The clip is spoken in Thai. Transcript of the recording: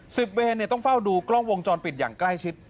เวรเนี่ยต้องเฝ้าดูกล้องวงจรปิดอย่างใกล้ชิด